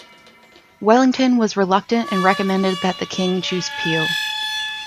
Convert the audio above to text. Wellington was reluctant and recommended that the King choose Peel.